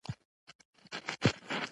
د عجبه فکر خاوند یې !